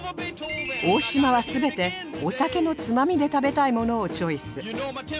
大島は全てお酒のつまみで食べたいものをチョイス